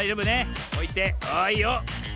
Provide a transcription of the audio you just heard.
おいてああいいよ。